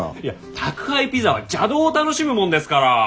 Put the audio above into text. いや宅配ピザは邪道を楽しむもんですから。